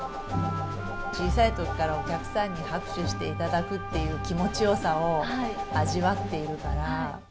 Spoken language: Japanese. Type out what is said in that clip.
小さいときからお客さんに拍手していただくっていう気持ちよさを味わっているから。